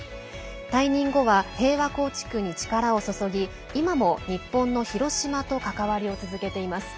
退任後は平和構築に力を注ぎ今も日本の広島と関わりを続けています。